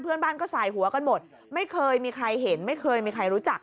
เพื่อนบ้านก็สายหัวกันหมดไม่เคยมีใครเห็นไม่เคยมีใครรู้จัก